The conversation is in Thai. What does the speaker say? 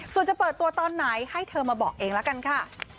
ส่วนจะเปิดตัวตอนไหนให้เธอมาบอกเองละกันค่ะ